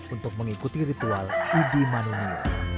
untuk mengikuti ritual idi manu